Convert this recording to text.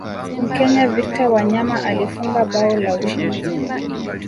mkenya victor wanyama alifunga bao la ushindi